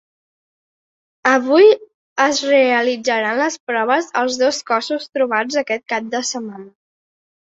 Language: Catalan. Avui es realitzaran les proves als dos cossos trobats aquest cap de setmana.